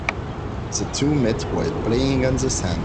The two met while playing on the sand.